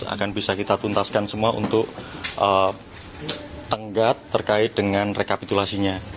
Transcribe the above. akan bisa kita tuntaskan semua untuk tenggat terkait dengan rekapitulasinya